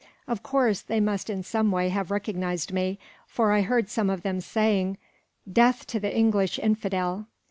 "Of course, they must in some way have recognized me, for I heard some of them saying, 'Death to the English infidel!'"